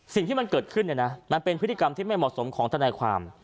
สิ่งที่มันเกิดขึ้นเนี่ยนะมันเป็นพฤติกรรมที่ไม่เหมาะสมของทนายความ